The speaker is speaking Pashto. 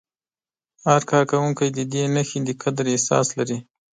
هر کارکوونکی د دې نښې د قدر احساس لري.